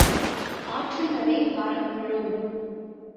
ஆற்றங்கரை மரம் விழும்.